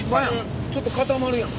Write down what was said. ちょっと固まるやん。